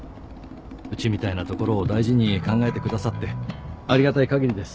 うちみたいな所を大事に考えてくださってありがたいかぎりです。